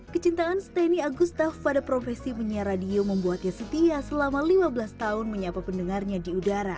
kecintaan stany agustaf pada profesi penyiar radio membuatnya setia selama lima belas tahun menyapa pendengarnya di udara